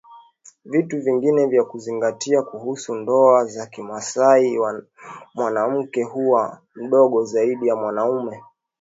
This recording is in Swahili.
Vitu vingine vya kuzingatia kuhusu ndoa za kimasai mwanamke huwa mdogo zaidi ya mumewe